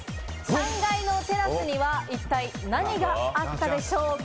３階のテラスには一体何があったでしょうか？